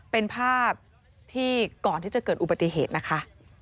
เป็นภาพที่ก่อนที่จะเกิดอุบัติเหตุนะคะ